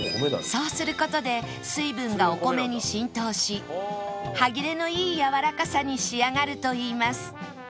そうする事で水分がお米に浸透し歯切れのいいやわらかさに仕上がるといいます